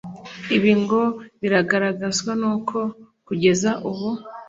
Ibi ngo bigaragazwa n’uko kugeza ubu